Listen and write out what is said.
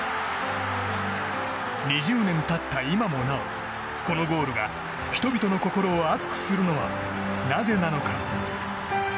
２０年経った今もなおこのゴールが人々の心を熱くするのはなぜなのか。